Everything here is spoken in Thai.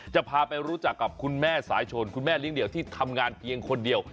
จะพาไปรู้จักกับคุณแม่สายชนคุณแม่เลี้ยเดี่ยวที่ทำงานเพียงคนเดียว